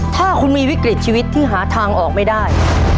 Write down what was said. ถ้าคุณมีวิกฤตชีวิตที่หาทางออกไม่ได้